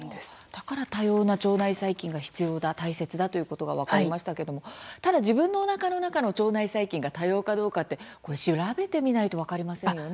だから多様な腸内細菌が必要だ、大切だということが分かりましたけどもただ、自分のおなかの中の腸内細菌が多様かどうかって調べてみないと分かりませんよね。